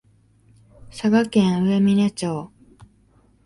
佐賀県上峰町